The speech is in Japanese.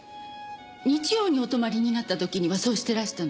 日曜にお泊まりになった時にはそうしてらしたので。